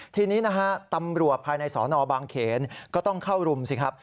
ทีนี้นะฮะตำรวจภายในสอนอบางเขนก็ต้องเข้ารุมสิครับ